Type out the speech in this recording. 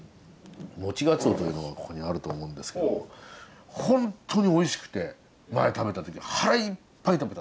「もちがつお」というのがここにあると思うんですけどもホントにおいしくて前食べた時腹いっぱい食べた。